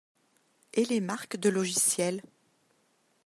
Et les marques de logiciels?